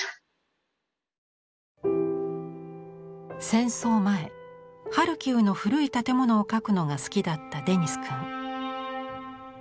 戦争前ハルキウの古い建物を描くのが好きだったデニス君。